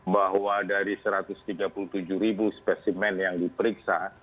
bahwa dari satu ratus tiga puluh tujuh ribu spesimen yang diperiksa